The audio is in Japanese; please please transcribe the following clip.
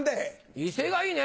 威勢がいいね！